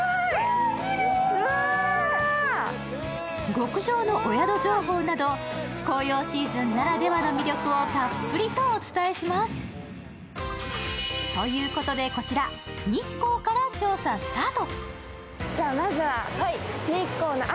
極上のお宿情報など紅葉シーズンならではの魅力をたっぷりとお伝えします。ということで、こちら日光から調査スタート。